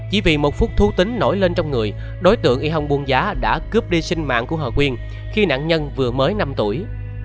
chỉ vì một phút thu tính nổi lên trong người đối tượng y hồng buôn giá đã cướp đi sinh mạng của hòa quyên khi nạn nhân vừa mới năm tuổi